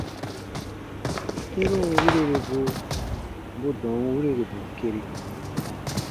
Kĩrun wiriribu bu dɔ̃ɔn wirirbu kere.